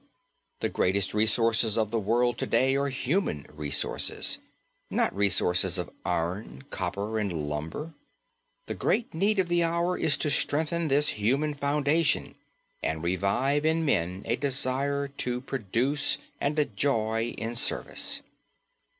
The greatest resources of the world to day are human resources, not resources of iron, copper and lumber. The great need of the hour is to strengthen this human foundation and revive in men a desire to produce and a joy in service.